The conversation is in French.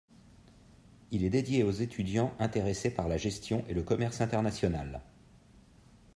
Il est dédié aux étudiants intéressés par la gestion et le commerce international.